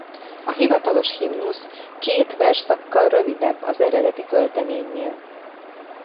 A hivatalos himnusz két versszakkal rövidebb az eredeti költeménynél.